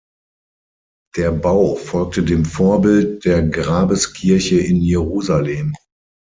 Der Bau folgte dem Vorbild der Grabeskirche in Jerusalem.